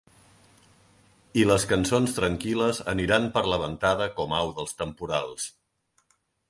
I les cançons tranquil·les aniran per la ventada com au dels temporals.